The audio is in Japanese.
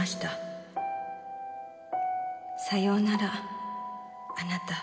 「さようならあなた」